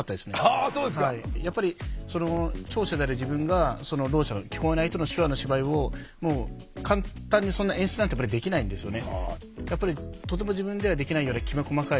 あそうですか。やっぱり聴者である自分がろう者の聞こえない人の手話の芝居を簡単にそんな演出なんてできないんですよね。